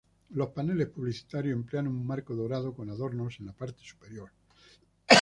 Los paneles publicitarios emplean un marco dorado con adornos en la parte superior.